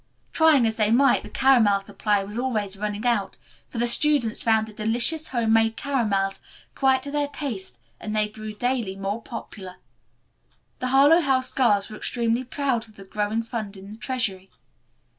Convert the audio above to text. Try as they might the caramel supply was always running out, for the students found the delicious home made caramels quite to their taste and they grew daily more popular. The Harlowe House girls were extremely proud of the growing fund in the treasury.